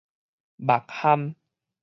目蚶